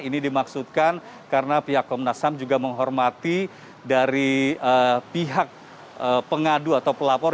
ini dimaksudkan karena pihak komnas ham juga menghormati dari pihak pengadu atau pelapor